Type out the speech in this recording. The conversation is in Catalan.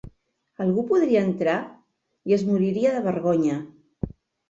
Algú podria entrar i es moriria de vergonya.